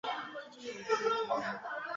积极有序推进企事业单位复工复产